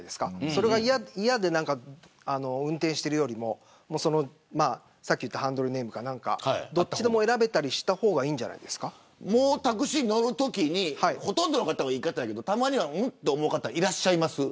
それが嫌で運転しているよりもさっき言ってたハンドルネームか何かどっちでも選べた方がもうタクシー乗るときにほとんどの方はいい方やけどたまには、うんって思う方いらっしゃいますか。